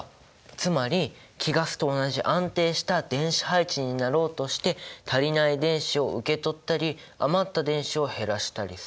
つまり貴ガスと同じ安定した電子配置になろうとして足りない電子を受け取ったり余った電子を減らしたりする。